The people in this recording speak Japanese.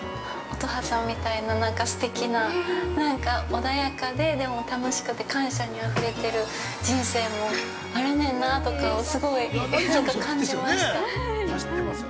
乙葉さんみたいな、すてきななんか穏やかで、でも楽しくて感謝にあふれてる人生もあるねんなーとかをすごい、なんか感じました。